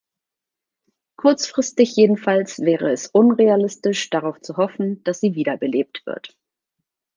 Kurzfristig jedenfalls wäre es unrealistisch, darauf zu hoffen, dass sie wiederbelebt wird.